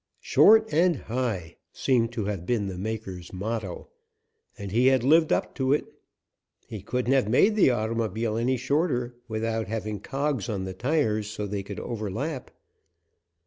"Short and high" seemed to have been the maker's motto, and he had lived up to it. He couldn't have made the automobile any shorter without having cogs on the tires, so they could overlap.